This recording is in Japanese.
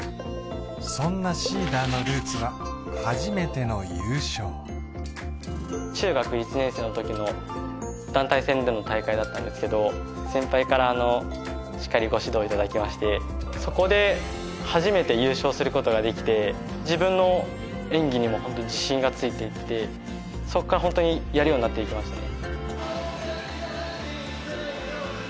そんなＳｅｅｄｅｒのルーツははじめての優勝中学１年生のときの団体戦での大会だったんですけど先輩からしっかりご指導いただきましてそこで初めて優勝することができて自分の演技にも本当に自信がついていってそこから本当にやるようになっていきましたね